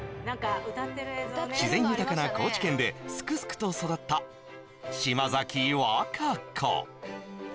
自然豊かな高知県ですくすくと育った島崎和歌子